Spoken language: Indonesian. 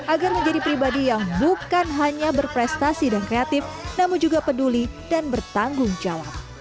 agar menjadi pribadi yang bukan hanya berprestasi dan kreatif namun juga peduli dan bertanggung jawab